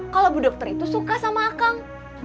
kalau bu dokter itu suka sama akang